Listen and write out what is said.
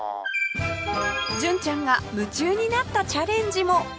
純ちゃんが夢中になったチャレンジも